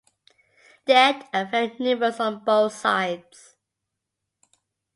The dead are very numerous on both sides.